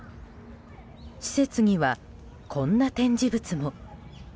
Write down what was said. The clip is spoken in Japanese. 施設には、こんな展示物も。